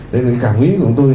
đấy là cái cảm nghĩ của tôi